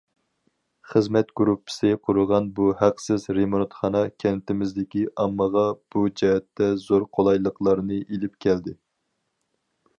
خىزمەت گۇرۇپپىسى قۇرغان بۇ ھەقسىز رېمونتخانا كەنتىمىزدىكى ئاممىغا بۇ جەھەتتە زور قولايلىقلارنى ئېلىپ كەلدى.